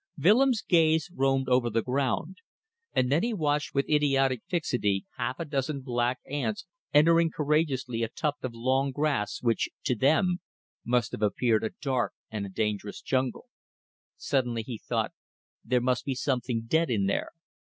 Willems' gaze roamed over the ground, and then he watched with idiotic fixity half a dozen black ants entering courageously a tuft of long grass which, to them, must have appeared a dark and a dangerous jungle. Suddenly he thought: There must be something dead in there.